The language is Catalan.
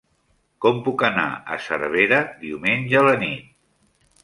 Com puc anar a Cervera diumenge a la nit?